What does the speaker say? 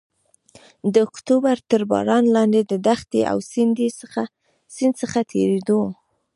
د اکتوبر تر باران لاندې له دښتې او سیند څخه تېرېدو.